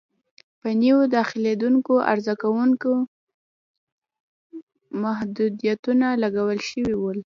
په نویو داخلېدونکو عرضه کوونکو محدودیتونه لګول شوي وي.